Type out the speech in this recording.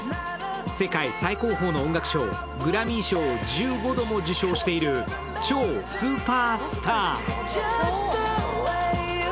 世界最高峰の音楽賞、グラミー賞を１５度も受賞している超スーパースター。